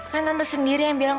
kan tante sendiri yang bilang